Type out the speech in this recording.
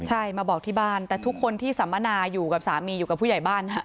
ใช่มาบอกที่บ้านแต่ทุกคนที่สัมมนาอยู่กับสามีอยู่กับผู้ใหญ่บ้าน